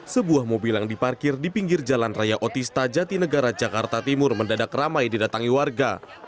sebuah mobil yang diparkir di pinggir jalan raya otista jatinegara jakarta timur mendadak ramai didatangi warga